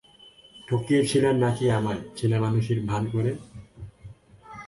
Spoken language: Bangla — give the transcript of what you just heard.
ঠকিয়েছিলে নাকি আমায়, ছেলেমানুষির ভান করে?